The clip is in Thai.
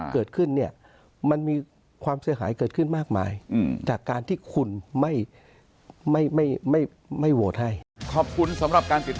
เกิดขึ้นมันมีความเสียหายเกิดขึ้นมากมายจากการที่คุณไม่โหวตให้